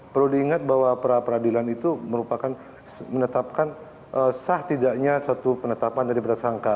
perlu diingat bahwa peradilan itu merupakan menetapkan sah tidaknya satu penetapan dari pertasangka